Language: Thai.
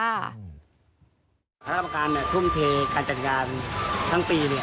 คณะกรรมการทุ่มเทการจัดงานทั้งปี